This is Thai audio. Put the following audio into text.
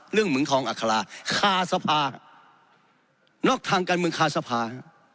เรื่องหมึงทองอัคลาคาสภานอกทางการหมึงคาสภา